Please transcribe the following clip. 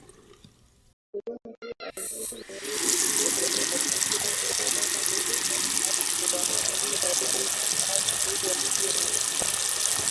undugu hazina yetu mimi na mdogo wangu Kwamba kuwaambia ndugu watu waliogombana